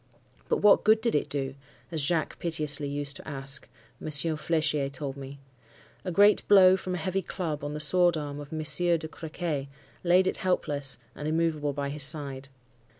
But what good did it do? as Jacques piteously used to ask, Monsieur Flechier told me. A great blow from a heavy club on the sword arm of Monsieur de Crequy laid it helpless and immovable by his side.